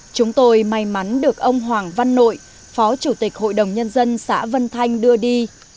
chúng tôi may mắn được ông hoàng văn nội phó chủ tịch hội đồng nhân dân xã vân thanh đưa đi